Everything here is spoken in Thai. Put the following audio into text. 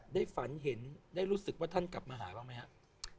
ฝันเห็นได้รู้สึกว่าท่านกลับมาหาบ้างไหมครับ